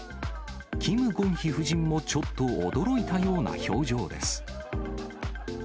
キム・ゴンヒ夫人も、ちょっと驚いたような表情です。